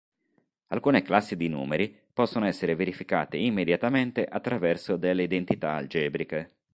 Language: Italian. Alcune classi di numeri possono essere verificate immediatamente attraverso delle identità algebriche.